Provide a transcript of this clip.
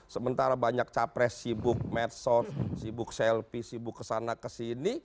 sementara banyak capres sibuk medsos sibuk selfie sibuk kesana kesini